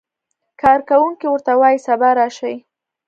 کارکوونکی ورته وایي سبا راشئ.